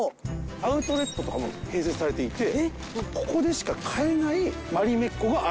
アウトレットとかも併設されていてここでしか買えないマリメッコがあるんです。